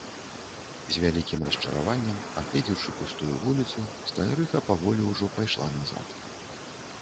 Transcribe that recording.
З вялікім расчараваннем, агледзеўшы пустую вуліцу, сталярыха паволі ўжо пайшла назад.